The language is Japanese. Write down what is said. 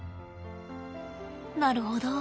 なるほど。